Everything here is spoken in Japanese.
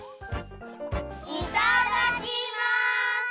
いただきます！